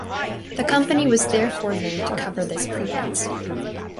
The company was therefore named to cover this pretence.